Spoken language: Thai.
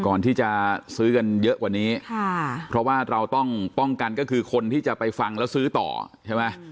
ก่อนที่จะซื้อกันเยอะกว่านี้ค่ะเพราะว่าเราต้องป้องกันก็คือคนที่จะไปฟังแล้วซื้อต่อใช่ไหม